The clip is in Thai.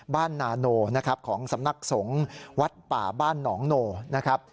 บ้านนาโนนะครับของสำนักสงฆ์วัดป่าบ้านหนองโนนะครับ